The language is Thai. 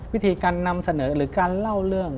วิธีการนำเสนอหรือการเล่าเรื่อง